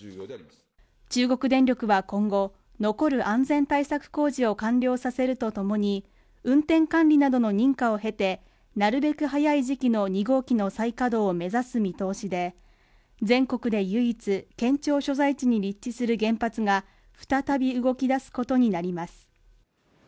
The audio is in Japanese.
中国電力は今後残る安全対策工事を完了させるとともに運転管理などの認可を経てなるべく早い時期の２号機の再稼働を目指す見通しで全国で唯一県庁所在地に立地する原発が再び動き出すことになります